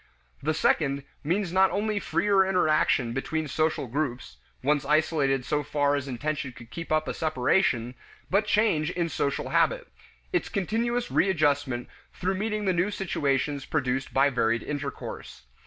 The second means not only freer interaction between social groups (once isolated so far as intention could keep up a separation) but change in social habit its continuous readjustment through meeting the new situations produced by varied intercourse.